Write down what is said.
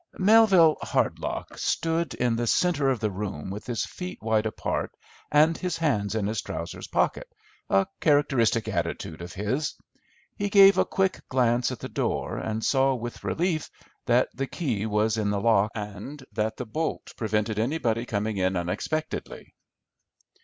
Melville Hardlock stood in the centre of the room with his feet wide apart and his hands in his trousers pockets, a characteristic attitude of his. He gave a quick glance at the door, and saw with relief that the key was in the lock, and that the bolt prevented anybody coming in unexpectedly.